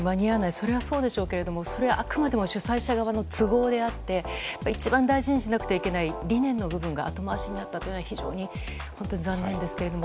それはそうでしょうけどそれはあくまでも主催者側の都合であって一番大事にしなくてはいけない理念の部分が後回しになったのは非常に残念ですけども。